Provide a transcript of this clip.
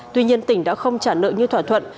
tuy nhiên tỉnh đã không trả nợ như thỏa thuận